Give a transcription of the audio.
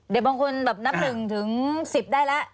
เดี๋ยวบางคนแบบนับหนึ่งถึงสิบได้แล้ว